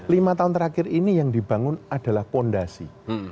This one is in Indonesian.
lima tahun terakhir ini yang dibangun adalah fondasi